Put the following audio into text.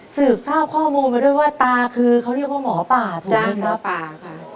สืบทราบข้อมูลมาด้วยว่าตาโหมอป่า